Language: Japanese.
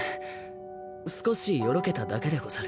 少しよろけただけでござる。